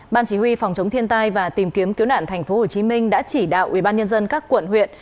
ban chỉ huy phòng chống thiên tai và tìm kiếm cứu nạn tp hcm đã chỉ đạo ubnd các quận huyện